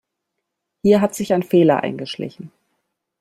Hier hat sich ein Fehler eingeschlichen.